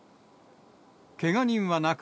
けが人はなく、